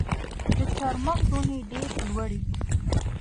د چهارمغز ونې ډیرې لوړې وي.